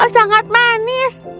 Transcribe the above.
oh kau sangat manis